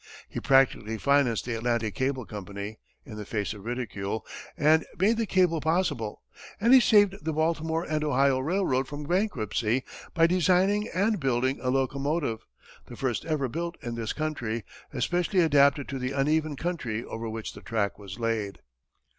He practically financed the Atlantic Cable Company, in the face of ridicule, and made the cable possible, and he saved the Baltimore & Ohio Railroad from bankruptcy by designing and building a locomotive the first ever built in this country especially adapted to the uneven country over which the track was laid.